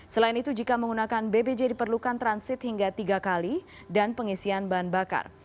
selain itu jika menggunakan bbj diperlukan transit hingga tiga kali dan pengisian bahan bakar